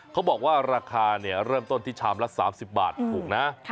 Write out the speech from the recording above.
เขาบอกว่าราคาเริ่มต้นที่ชามละ๓๐บาทถูกนะ